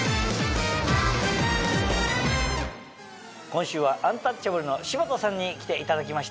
今週はアンタッチャブルの柴田さんに来ていただきました。